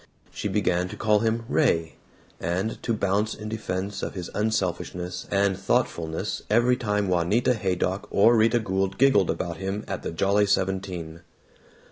She began to call him "Ray," and to bounce in defense of his unselfishness and thoughtfulness every time Juanita Haydock or Rita Gould giggled about him at the Jolly Seventeen.